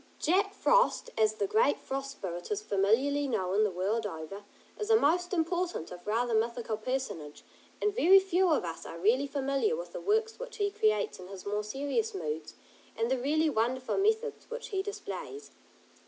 "Jack Frost," as the great Frost Spirit is familiarly known the world over, is a most important, if rather mythical personage, and very few of us are really familiar with the works which he creates in his more serious moods, and the really wonderful methods which he displays.